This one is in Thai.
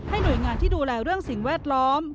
หน่วยงานที่ดูแลเรื่องสิ่งแวดล้อม